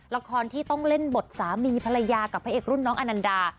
ละครที่ต้องเล่นบทสามีภรรยากับพระเอกรุ่นน้องอนันดา